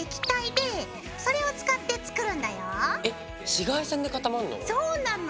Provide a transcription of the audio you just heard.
紫外線で固まんの？